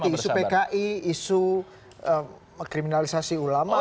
tapi itu cukup menggerogoti isu pki isu kriminalisasi ulama anti